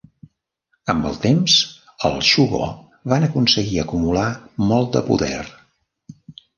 Amb el temps, el shugo van aconseguir acumular molt de poder.